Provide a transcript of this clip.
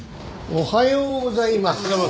おはようございます。